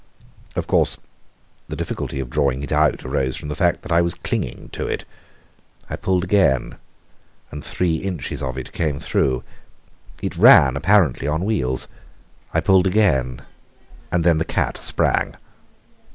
Of course the difficulty of drawing it out arose from the fact that I was clinging to it. I pulled again, and three inches of it came through. It ran apparently on wheels. I pulled again ... and then the cat sprang!